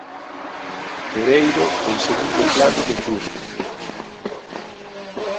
Pereiro, en segundo plano no Tour.